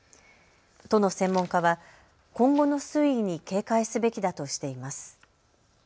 都の専門家は今後の推移に警戒すべきだとしています。